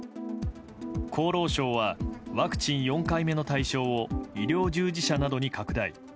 厚労省はワクチン４回目の対象を医療従事者などに拡大。